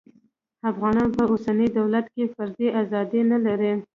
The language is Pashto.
افغانان په اوسني دولت کې فردي ازادي نلري